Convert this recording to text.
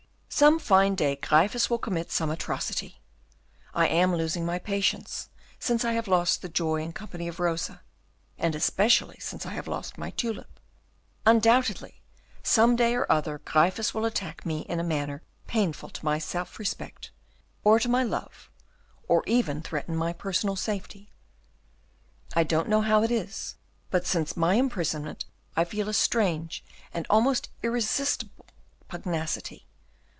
Some fine day Gryphus will commit some atrocity. I am losing my patience, since I have lost the joy and company of Rosa, and especially since I have lost my tulip. Undoubtedly, some day or other Gryphus will attack me in a manner painful to my self respect, or to my love, or even threaten my personal safety. I don't know how it is, but since my imprisonment I feel a strange and almost irresistible pugnacity.